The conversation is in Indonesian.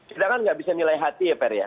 kita kan nggak bisa nilai hati ya ferry ya